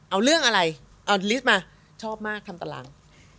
เอาเรื่องอะไรเอาลิสต์มาชอบมากทำตาราง